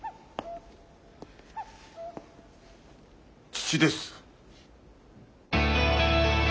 父です。